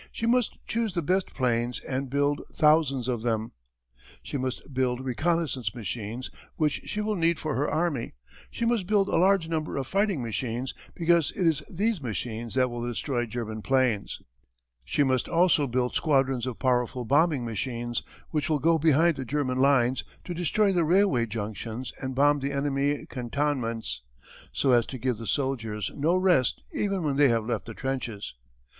She must choose the best planes and build thousands of them. "She must build reconnoissance machines which she will need for her army; she must build a large number of fighting machines because it is these machines that will destroy German planes; she must also build squadrons of powerful bombing machines which will go behind the German lines to destroy the railway junctions and bomb the enemy cantonments, so as to give the soldiers no rest even when they have left the trenches.